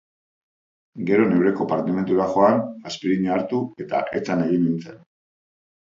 Gero neure konpartimentura joan, aspirina hartu, eta etzan egin nintzen.